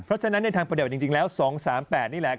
เพราะฉะนั้นในทางประเด็จจริงแล้ว๒๓๘นี่แหละ